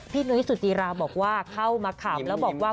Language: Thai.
พี่น้ยสุจีรบอกว่าเข้ามาขำเนาะบอกว่า